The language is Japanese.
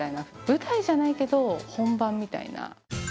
舞台じゃないけど、本番みたいな。